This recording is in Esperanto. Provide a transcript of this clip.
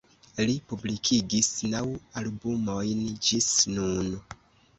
Li publikigis naŭ albumojn ĝis nun.